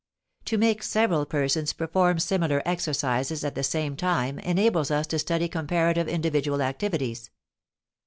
To make several persons perform similar exercises at the same time enables us to study comparative individual activities.